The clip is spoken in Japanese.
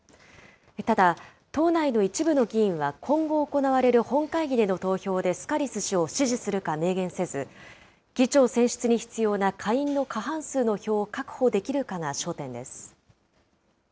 ただ、党内の一部の議員は今後行われる本会議での投票でスカリス氏を支持するか明言せず、議長選出に必要な下院の過半数の票を確保できるかが焦点です。